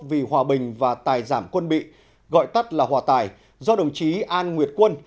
vì hòa bình và tài giảm quân bị gọi tắt là hòa tài do đồng chí an nguyệt quân